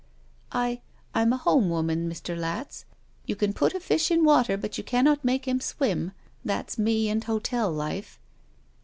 "I' — ^I'm a home woman, Mr. Latz. You can put a fish in water, but you cannot make him swim. That's me and hotel life."